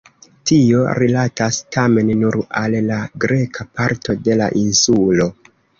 Tio rilatas tamen nur al la greka parto de la insulo.